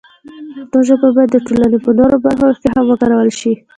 پښتو ژبه باید د ټولنې په نورو برخو کې هم وکارول شي.